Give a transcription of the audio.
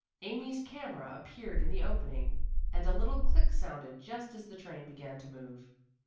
Amy's camera appeared in the opening, and a little click sounded just as the train began to move.